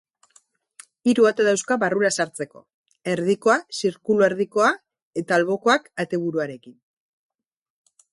Hiru ate dauzka barrura sartzeko, erdikoa zirkuluerdikoa eta albokoak ateburuarekin.